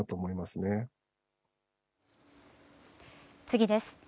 次です。